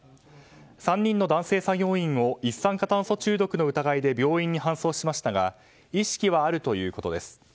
３人の男性作業員を一酸化炭素中毒の疑いで病院に搬送しましたが意識はあるということです。